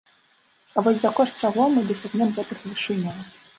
А вось за кошт чаго мы дасягнем гэтых вышыняў?